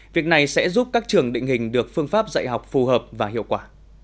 việc này sẽ giúp các trường định hình được phương pháp dạy học phù hợp và hiệu quả